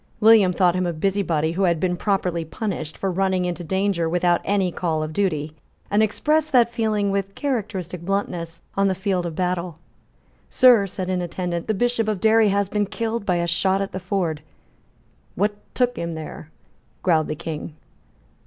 William thought him a busybody who had been properly punished for running into danger without any call of duty, and expressed that feeling, with characteristic bluntness, on the field of battle. "Sir," said an attendant, "the Bishop of Derry has been killed by a shot at the ford." "What took him there?" growled the King.